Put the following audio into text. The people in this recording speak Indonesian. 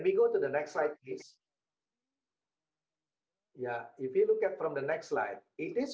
jika pemerintah dapat menangani pandemi